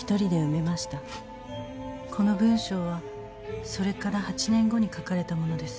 この文章はそれから８年後に書かれたものです。